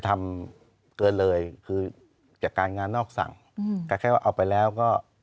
ทำเกินเลยคือจากการงานนอกสั่งก็แค่ว่าเอาไปแล้วก็